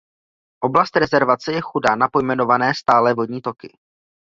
Oblast rezervace je chudá na pojmenované stálé vodní toky.